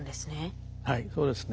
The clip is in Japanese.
はいそうですね。